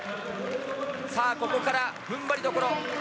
さあ、ここからふんばりどころ。